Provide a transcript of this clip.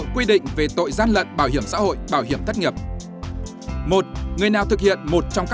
cho người lao động